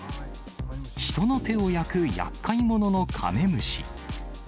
人の手を焼くやっかい者のカメムシ。